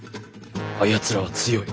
あやつらは強い。